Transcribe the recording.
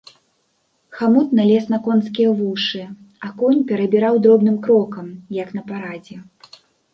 Хамут налез на конскія вушы, а конь перабіраў дробным крокам, як на парадзе.